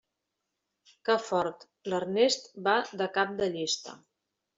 Que fort, l'Ernest va de cap de llista.